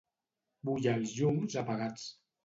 Vull els llums apagats.